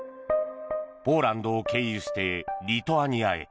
ポーランドを経由してリトアニアへ。